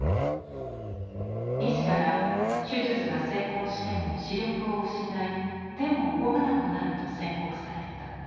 医師から手術が成功しても視力を失い手も動かなくなると宣告された。